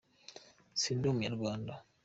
sindumunyarwanda